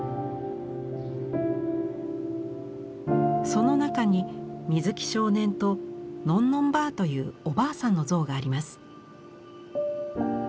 その中に水木少年とのんのんばあというおばあさんの像があります。